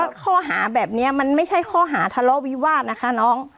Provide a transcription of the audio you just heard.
ข้อหาแบบนี้มันไม่ใช่ข้อหาทะเลาะวิวาสนะคะน้อง